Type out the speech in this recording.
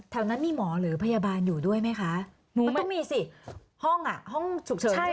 แถวนั้นมีหมอหรือพยาบาลอยู่ด้วยไหมคะมันต้องมีสิห้องอ่ะห้องฉุกเฉินใช่ไหม